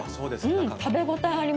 食べ応えあります。